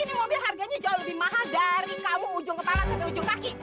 ini mobil harganya jauh lebih mahal dari kamu ujung kepala sampai ujung kaki